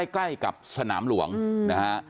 ใกล้กับสนามหลวงนะฮะ